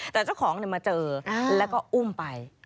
แต่เจ้าของมาเจอแล้วก็อุ้มไป